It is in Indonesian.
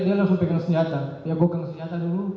saya lihat dia langsung pegang senjata